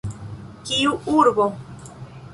Kiu urbo?